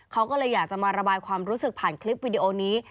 เขาก็เลยอยากจะมาระบายความรู้สึกผ่านคลิปวิดีโอนี้